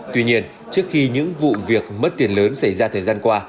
tuy nhiên trước khi những vụ việc mất tiền lớn xảy ra thời gian qua